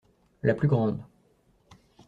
La plus grande.